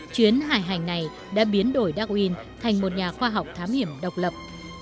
chuyến hải hành này đã biến đổi thành một nhà khoa học thám hiểm độc lập